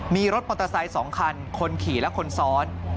มีรถมอเตอร์ไซค์๒คันคนขี่และคนซ้อน